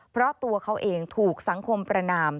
เพราะตัวเขาเองถูกสังคมประนาม